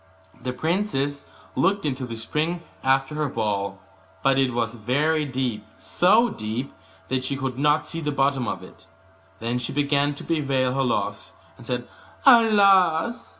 The princess looked into the spring after her ball, but it was very deep, so deep that she could not see the bottom of it. Then she began to bewail her loss, and said, 'Alas!